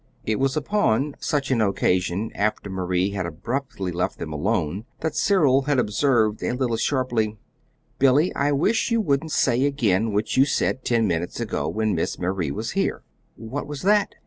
It was upon such an occasion, after Marie had abruptly left them alone together, that Cyril had observed, a little sharply: "Billy, I wish you wouldn't say again what you said ten minutes ago when Miss Marie was here." "What was that?"